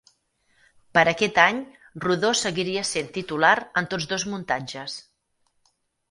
Per aquest any, Rodó seguiria sent titular en tots dos muntatges.